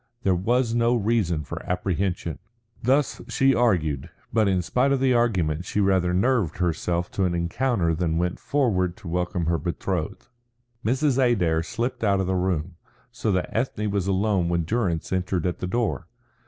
There was no reason for apprehension. Thus she argued, but in spite of the argument she rather nerved herself to an encounter than went forward to welcome her betrothed. Mrs. Adair slipped out of the room, so that Ethne was alone when Durrance entered at the door.